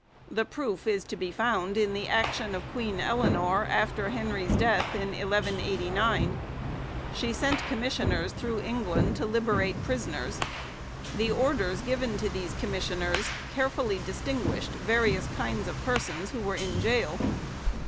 The proof is to be found in the action of Queen Eleanor after Henry's death in 1189. She sent commissioners through England to liberate prisoners. The orders given to these commissioners carefully distinguished various kinds of persons who were in gaol.